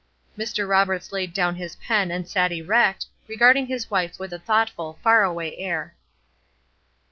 Mr. Roberts laid down his pen and sat erect, regarding his wife with a thoughtful, far away air.